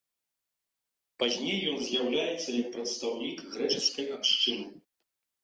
Пазней ён з'яўляецца як прадстаўнік грэчаскай абшчыны.